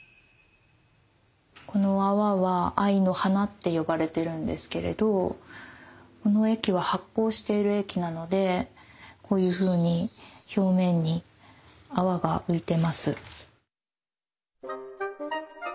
この泡は藍の華って呼ばれてるんですけれどこの液は発酵している液なのでこういうふうに表面に泡が浮いてます。